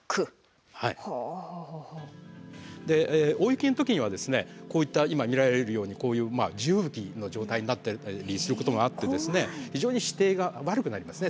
で大雪の時にはですねこういった今見られるようにこういう地吹雪の状態になったりすることもあってですね非常に視程が悪くなりますね。